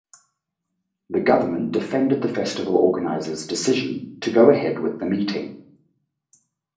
The Government defended the festival organisers decision to go ahead with the meeting.